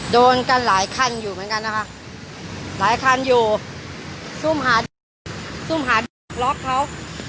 โดนกันหลายคันอยู่เหมือนกันนะคะหลายคันอยู่ซุ่มหาเด็กซุ่มหาดล็อกเขา